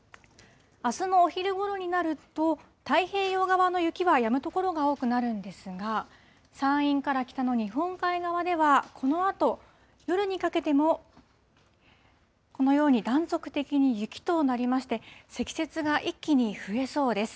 あすのお昼ごろになると、太平洋側の雪はやむ所が多くなるんですが、山陰から北の日本海側では、このあと夜にかけても、このように断続的に雪となりまして、積雪が一気に増えそうです。